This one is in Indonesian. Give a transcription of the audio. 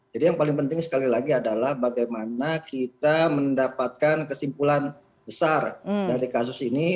jadi yang paling penting sekali lagi adalah bagaimana kita mendapatkan kesimpulan besar dari kasus ini